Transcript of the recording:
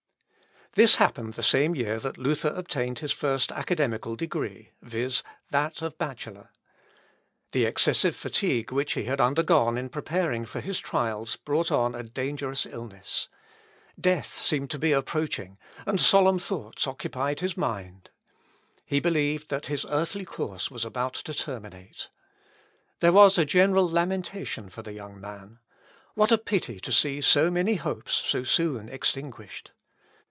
This happened the same year that Luther obtained his first academical degree, viz., that of Bachelor. The excessive fatigue which he had undergone in preparing for his trials brought on a dangerous illness. Death seemed to be approaching, and solemn thoughts occupied his mind. He believed that his earthly course was about to terminate. There was a general lamentation for the young man. What a pity to see so many hopes so soon extinguished!